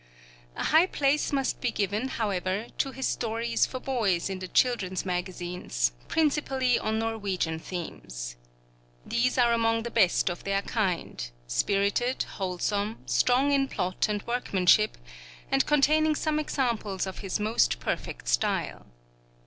A high place must be given, however, to his stories for boys in the children's magazines, principally on Norwegian themes. These are among the best of their kind, spirited, wholesome, strong in plot and workmanship, and containing some examples of his most perfect style.